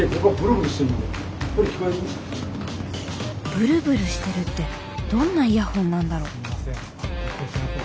ブルブルしてるってどんなイヤホンなんだろう？